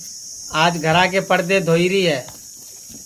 آج گھرا کے پڑدے دھوئیری ہے